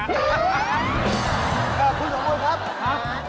คุณสมบูรณ์ครับครับ